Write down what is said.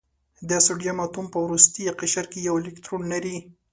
د سوډیم اتوم په وروستي قشر کې یو الکترون لري.